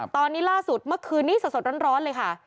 ตอนนี้ล่าสุดเมื่อคืนนี้สดร้อนเลยค่ะ